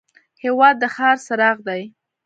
هېواد د ښار څراغ دی.